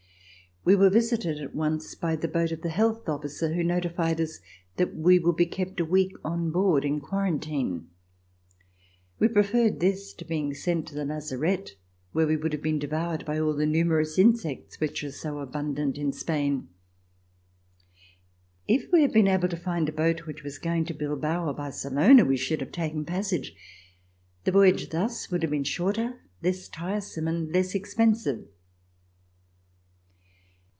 We were visited at once by the boat of the health officer who notified us that we would be kept a week [ 243 ] RECOLLECTIONS OF THE REVOLUTION on board in quarantine. We preferred this to being sent to the lazarette where we would have been devoured by all the numerous insects which are so abundant in Spain. If we had been able to find a boat which was going to Bilbao or Barcelona, we should have taken passage. The voyage thus would have been shorter, less tiresome and less expensive.